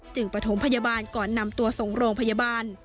ปฐมพยาบาลก่อนนำตัวส่งโรงพยาบาล